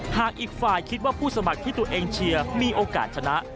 หากอีกฝ่ายคิดว่าผู้สมัครที่ตัวเองเชียร์มีโอกาสชนะ